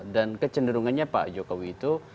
dan kecenderungannya pak jokowi itu